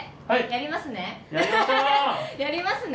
やりますね。